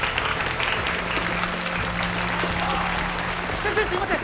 先生すみません